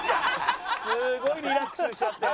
すごいリラックスしちゃって。